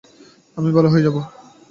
আমি ভালো হয়ে যাবো।